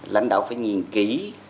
lãnh đạo phải nhìn kỹ